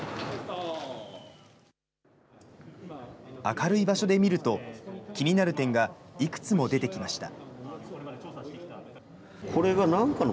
明るい場所で見ると、気になる点がいくつも出てきました。